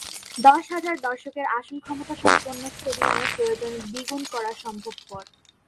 দশ হাজার দর্শকের আসন ক্ষমতাসম্পন্ন স্টেডিয়ামে প্রয়োজনে দ্বিগুণ করা সম্ভবপর।